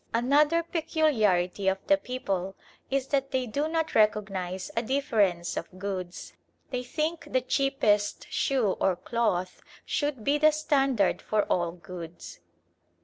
Another peculiarity of the people is that they do not recognise a difference of goods. They think the cheapest shoe or cloth should be the standard for all goods.